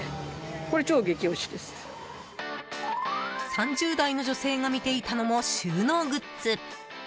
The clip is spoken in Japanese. ３０代の女性が見ていたのも収納グッズ。